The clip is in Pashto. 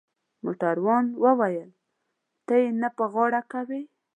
موټروان وویل: ته يې نه په غاړه کوې؟